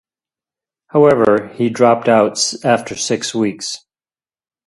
However, he dropped out after six weeks.